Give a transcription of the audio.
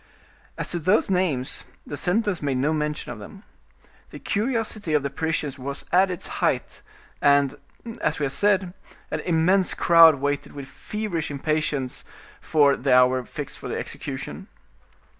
As to those names, the sentence made no mention of them. The curiosity of the Parisians was at its height, and, as we have said, an immense crowd waited with feverish impatience the hour fixed for the execution.